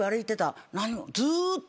ずーっと。